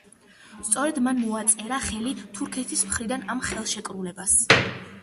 სწორედ მან მოაწერა ხელი თურქეთის მხრიდან ამ ხელშეკრულებას.